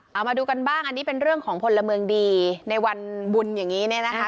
เอามาดูกันบ้างอันนี้เป็นเรื่องของพลเมืองดีในวันบุญอย่างนี้เนี่ยนะคะ